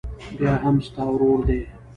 بيا هم ستا ورور دى.